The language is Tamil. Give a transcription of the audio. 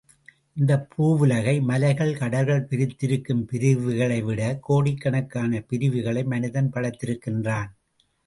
இந்தப் பூவுலகை மலைகள், கடல்கள் பிரித்திருக்கும் பிரிவுகளை விடக் கோடிக்கணக் கான பிரிவுகளை மனிதன் படைத்திருக்கின்றான்.